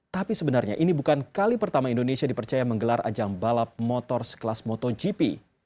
tapi sebenarnya ini bukan kali pertama indonesia dipercaya menggelar ajang balap motor sekelas motogp